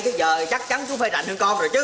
tới giờ chắc chắn chú phải rảnh hơn con rồi chứ